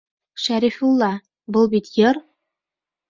Шәрифулла, был бит йыр.